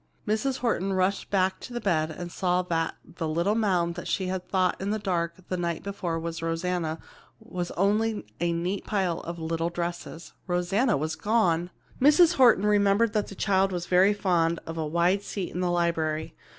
Mrs. Horton rushed back to the bed and saw that the little mound she had thought in the dark the night before was Rosanna was only a neat pile of little dresses. Rosanna was gone! Mrs. Horton remembered that the child was very fond of a wide seat in the library.